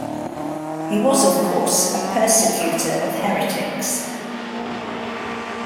He was of course a persecutor of heretics.